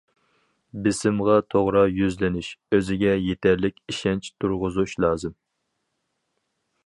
بېسىمغا توغرا يۈزلىنىش، ئۆزىگە يېتەرلىك ئىشەنچ تۇرغۇزۇش لازىم.